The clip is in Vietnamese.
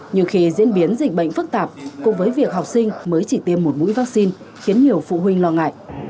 nhưng khi diễn biến dịch bệnh phức tạp cùng với việc học sinh mới chỉ tiêm một mũi vaccine khiến nhiều phụ huynh lo ngại